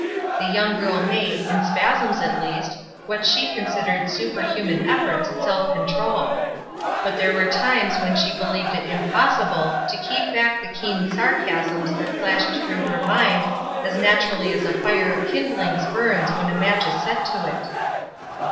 The young girl made, in spasms at least, what she considered superhuman efforts at self control; but there were times when she 40 ESTER RIED'S NAMESAKE believed it impossible to keep back the keen sarcasms that flashed through her mind as natu rally as a fire of kindlings burns when a match is set to it.